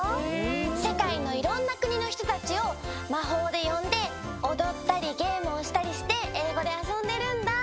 せかいのいろんなくにのひとたちをまほうでよんでおどったりゲームをしたりしてえいごであそんでるんだ。